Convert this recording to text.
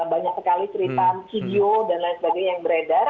banyak sekali cerita video dan lain sebagainya yang beredar